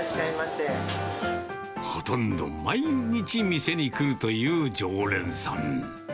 ほとんど毎日、店に来るという常連さん。